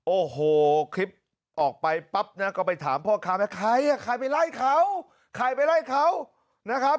โอ้โหคลิปออกไปปั๊บนะก็ไปถามพ่อคาแม้ใครอะใครไปไล่เขา